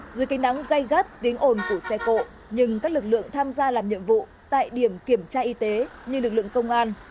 dưới cây nắng gây gắt tiếng ồn của xe cộ nhưng các lực lượng tham gia làm nhiệm vụ tại điểm kiểm tra y tế như lực lượng công an